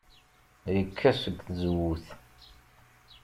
Yekka seg tzewwut.